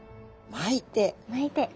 巻いて。